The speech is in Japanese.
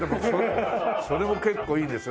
それも結構いいですよ。